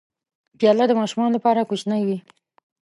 پیاله د ماشومانو لپاره کوچنۍ وي.